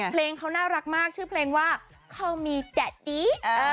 เพลงเขาน่ารักมากชื่อเพลงว่าเขามีแดดดี